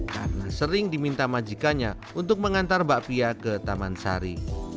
karena sering diminta majikanya untuk mengantar bakpia ke taman sari